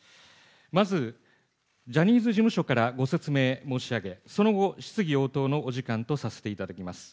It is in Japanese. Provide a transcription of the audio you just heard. まず、ジャニーズ事務所からご説明申し上げ、その後、質疑応答のお時間とさせていただきます。